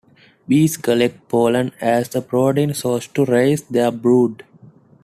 Bees collect pollen as a protein source to raise their brood.